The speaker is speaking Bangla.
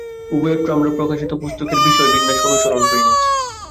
উভয়ত্র আমরা প্রকাশিত পুস্তকের বিষয়-বিন্যাস অনুসরণ করিয়াছি।